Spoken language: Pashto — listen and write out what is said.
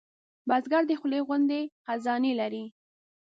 بزګر د خولې غوندې خزانې لري